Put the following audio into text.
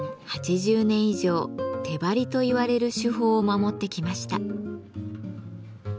８０年以上「手貼り」といわれる手法を守ってきました。